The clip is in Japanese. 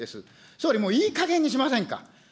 総理、もういいかげんにしませんか。